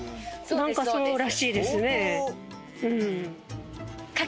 なんかそうらしいですね。